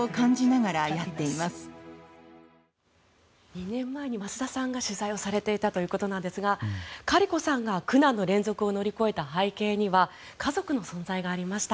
２年前に増田さんが取材をされていたということなんですがカリコさんが苦難の連続を乗り越えた背景には家族の存在がありました。